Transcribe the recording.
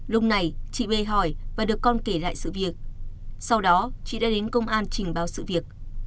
lúc này chị bê hỏi và được con kể lại sự việc sau đó chị đã đến công an trình báo sự việc